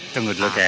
tunggu dulu kek